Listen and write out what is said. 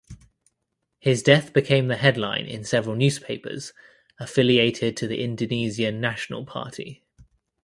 His death became the headline in several newspapers affiliated to the Indonesian National Party.